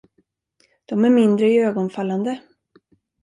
De är mindre iögonfallande.